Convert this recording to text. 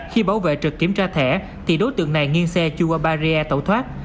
khi bảo vệ trực kiểm tra thẻ thì đối tượng này nghiêng xe chui qua barrier tẩu thoát